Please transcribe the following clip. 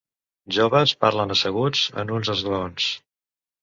Joves parlen asseguts en uns esglaons.